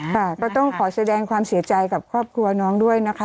ค่ะก็ต้องขอแสดงความเสียใจกับครอบครัวน้องด้วยนะคะ